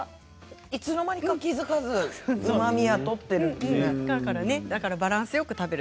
いつの間にか気付かずとっているんですね。